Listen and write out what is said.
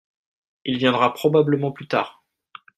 il viendra probablement plus tard.